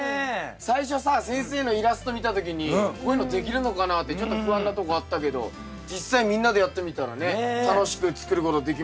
最初さ先生のイラスト見た時にこういうのできるのかなってちょっと不安なとこあったけど実際みんなでやってみたらね楽しく作ることできましたけど。